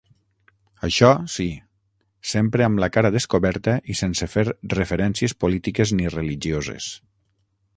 Això, sí, sempre amb la cara descoberta i sense fer referències polítiques ni religioses.